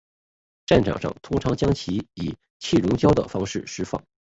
战场上通常将其以气溶胶的方式施放。